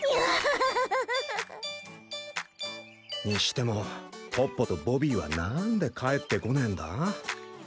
にしてもトッポとボビーはなんで帰ってこねえんだ？